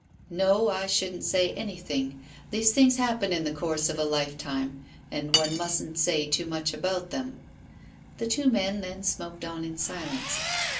"No, I shouldn't say anything. These things happen in the course of a lifetime, and one mustn't say too much about them." The two men then smoked on in silence.